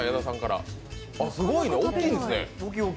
すごい大きいんですね。